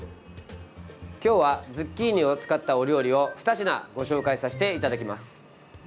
今日はズッキーニを使ったお料理をふた品ご紹介させていただきます。